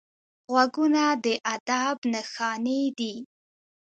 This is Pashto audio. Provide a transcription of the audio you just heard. غوږونه د ادب نښانې دي